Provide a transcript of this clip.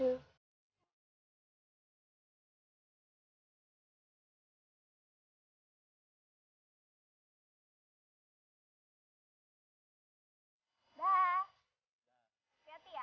ya ini dia